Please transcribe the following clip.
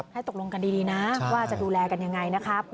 ให้ตกลงกันดีนะว่าจะดูแลกันยังไงนะครับ